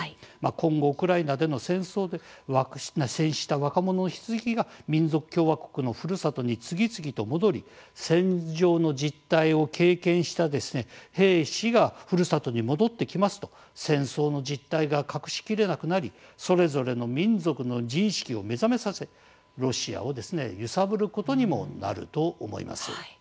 今後、ウクライナでの戦争で戦死した若者のひつぎが民族共和国のふるさとに次々と戻り戦場の実態を経験した兵士がふるさとに戻ってきますと戦争の実態が隠しきれなくなりそれぞれの民族の自意識を目覚めさせロシアを揺さぶることにもなると思います。